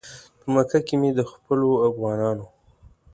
په مکه کې مې د خپلو افغانانو.